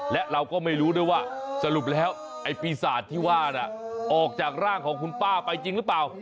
และเราก็ไม่รู้ด้วยว่าสรุปแล้วไอ้ปีศาจที่ว่าน่ะออกจากร่างของคุณป้าไปจริงหรือเปล่า